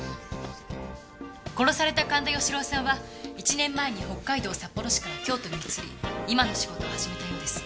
殺された神田芳郎さんは１年前に北海道札幌市から京都に移り今の仕事を始めたようです。